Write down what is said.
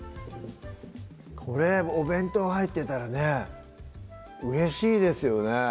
これお弁当入ってたらねうれしいですよね